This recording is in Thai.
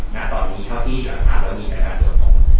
ณตอนนี้เท่าที่เดี๋ยวเราถามเรามีจัดการโดดสม